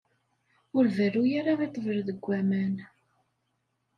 Ur berru ara i ṭṭbel deg aman.